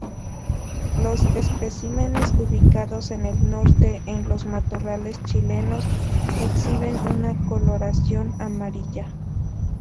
Los especímenes ubicados en el norte, en los matorrales chilenos, exhiben una coloración amarilla.